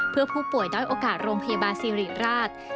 เพื่อผู้ป่วยด้อยโอกาสโรงพยาบาลสิริราช